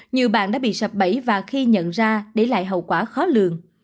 nhiều bạn đã bị sập bẫy và khi nhận ra để lại hậu quả khó lường